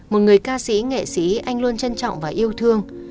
một người ca sĩ nghệ sĩ anh luôn trân trọng và yêu thương